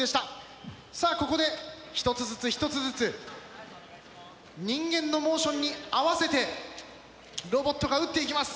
さあここで１つずつ１つずつ人間のモーションに合わせてロボットが打っていきます。